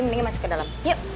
mendingan masuk ke dalam